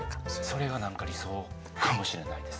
それが何か理想かもしれないです。